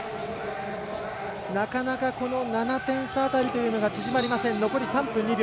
なかなかこの７点差というのが縮まりません。